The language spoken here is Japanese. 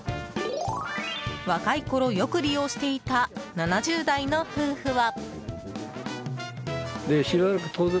若いころ、よく利用していた７０代の夫婦は。